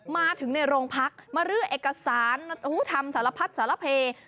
มาถึงในโรงพักมารื้อเอกสารทำสารพัดสารเพ